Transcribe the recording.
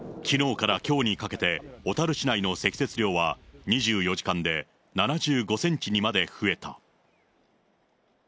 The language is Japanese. きのうからきょうにかけて、小樽市内の積雪量は、２４時間で７５センチにまで増えた。